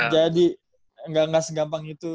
jadi gak segampang itu